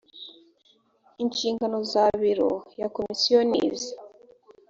inshingano za biro ya komisiyo ni izi